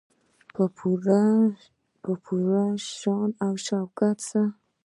په پوره شان او شوکت سره.